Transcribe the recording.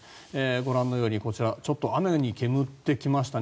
ご覧のようにこちら、ちょっと雨に煙ってきましたね。